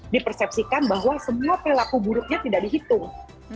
di persepsikan bahwa semua perilaku buruknya tidak dihitung